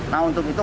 nah untuk itu